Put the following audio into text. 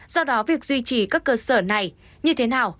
do đó việc duy trì các cơ sở này như thế nào